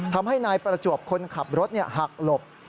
ทำให้นายประจวบคนขับรถหักหลบ